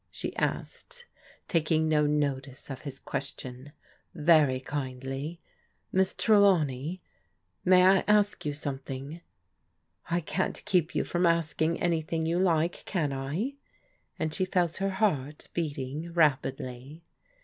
she asked, taking no notice of his question. " Very kindly. Miss Trelawney, may I ask you some thmg?" " I can't keep you from asking anything you like, can I ?" and she felt her heart beating rapidly.